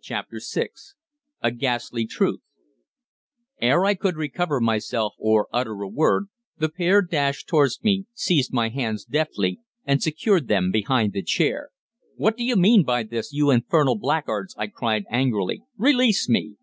CHAPTER SIX A GHASTLY TRUTH Ere I could recover myself or utter a word, the pair dashed towards me, seized my hands deftly and secured them behind the chair. "What do you mean by this, you infernal blackguards!" I cried angrily. "Release me!"